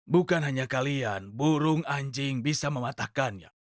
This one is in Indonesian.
bukan hanya kalian burung anjing bisa mematahkannya